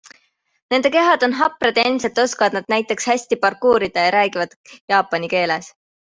Nende kehad on haprad ja ilmselt oskavad nad näiteks hästi parkuurida ja räägivad jaapani keeles.